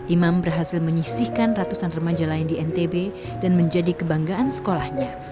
imam berhasil menyisihkan ratusan remaja lain di ntb dan menjadi kebanggaan sekolahnya